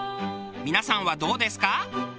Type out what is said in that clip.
皆さんはどうですか？